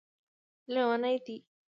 لیوني دی